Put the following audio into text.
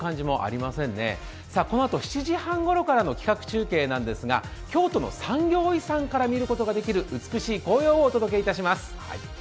このあとの企画中継ですが京都の産業遺産から見ることができる美しい紅葉をお届けします。